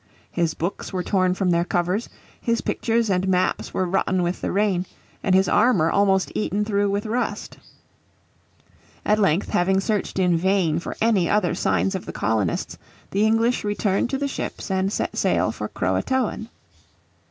His books were torn from their covers, his pictures and maps were rotten with the rain, and his armour almost eaten through with rust. At length, having searched in vain for any other signs of the colonists, the English returned to the ships and set sail for Croatoan.